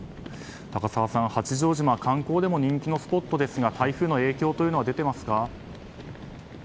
高沢さん、八丈島は観光でも人気のスポットですが台風の影響は出ていますか。